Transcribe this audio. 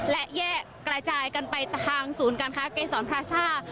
และแยกกระจายกันไปทางศูนย์การค้าเกษรพราซ่า